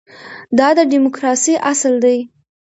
دا د ډیموکراسۍ اصل دی.